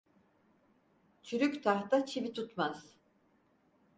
Çürük tahta çivi tutmaz.